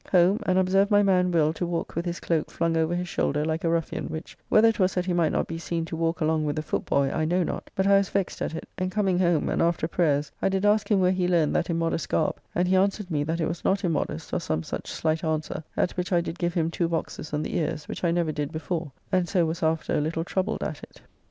Home, and observe my man Will to walk with his cloak flung over his shoulder, like a Ruffian, which, whether it was that he might not be seen to walk along with the footboy, I know not, but I was vexed at it; and coming home, and after prayers, I did ask him where he learned that immodest garb, and he answered me that it was not immodest, or some such slight answer, at which I did give him two boxes on the ears, which I never did before, and so was after a little troubled at it.